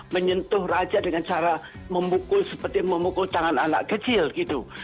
menyentuh raja dengan cara memukul seperti memukul tangan anak kecil gitu